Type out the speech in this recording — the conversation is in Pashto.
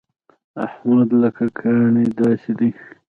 احمد لکه کاڼی داسې دی.